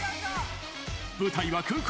舞台は空港。